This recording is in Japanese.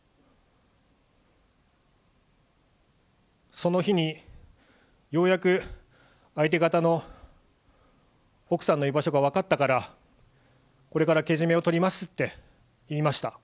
その日にようやく相手方の奥さんの居場所が分かったから、これからけじめを取りますって言いました。